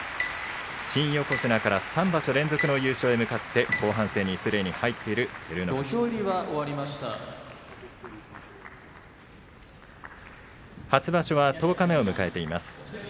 新横綱から３場所連続の優勝に向かって土俵入りは初場所は十日目を迎えています。